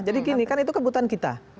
gini kan itu kebutuhan kita